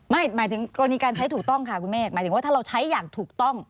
หมายถึงกรณีการใช้ถูกต้องค่ะคุณเมฆหมายถึงว่าถ้าเราใช้อย่างถูกต้อง